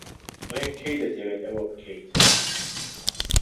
ڕێک کەی دەتەوێت ئەوە بکەیت؟